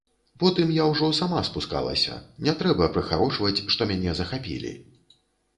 Потым я ўжо сама спускалася, не трэба прыхарошваць, што мяне захапілі.